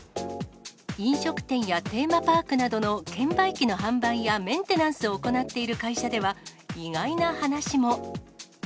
飲食店やテーマパークなどの券売機の販売やメンテナンスを行っている会社では、意外な話も。